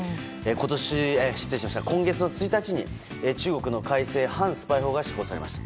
今月の１日に中国の改正反スパイ法が施行されました。